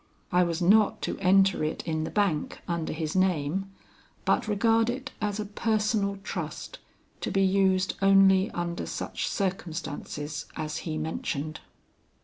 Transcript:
I was not to enter it in the bank under his name, but regard it as a personal trust to be used only under such circumstances as he mentioned.